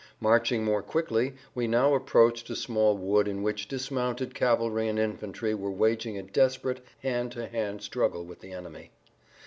Marching more quickly, we now approached a small wood in which dismounted cavalry and infantry were waging a desperate hand to hand struggle with the enemy.